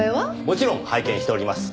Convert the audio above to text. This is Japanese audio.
もちろん拝見しております。